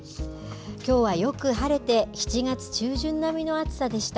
きょうはよく晴れて、７月中旬並みの暑さでした。